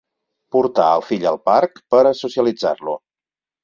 Portar el fill al parc per a socialitzar-lo.